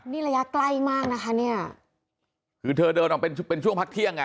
นี่ระยะใกล้มากนะคะเนี่ยคือเธอเดินออกเป็นเป็นช่วงพักเที่ยงอ่ะ